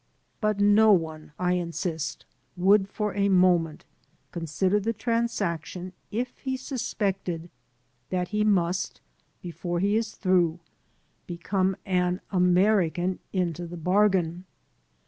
But no one, I H 199 AN AMERICAN IN THE MAKING insist, would for a moment consider the transaction if he suspected that he must, before he is through, become an American into the bargain.